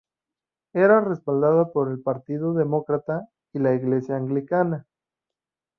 Era respaldada por el Partido Demócrata y la Iglesia anglicana.